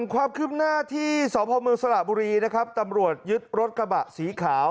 ความคืบหน้าที่สพมสระบุรีนะครับตำรวจยึดรถกระบะสีขาว